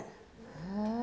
へえ。